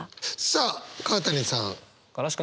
さあ川谷さん。